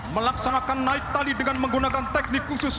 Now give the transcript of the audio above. melaksanakan naik tali dengan menggunakan teknik khusus